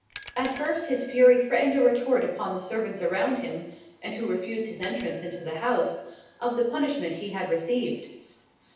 At first, his fury threatened a retort upon the servants around him (and who refused his entrance into the house) of the punishment he had received.